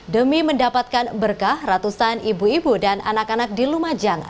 demi mendapatkan berkah ratusan ibu ibu dan anak anak di lumajang